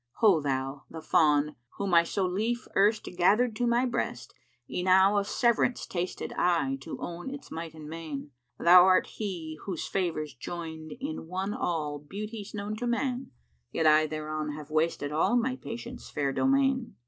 Ho thou, the Fawn, whom I so lief erst gathered to my breast * Enow of severance tasted I to own its might and main, Thou'rt he whose favours joined in one all beauties known to man, * Yet I thereon have wasted all my Patience' fair domain.